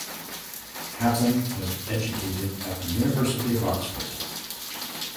Hatton was educated at the University of Oxford.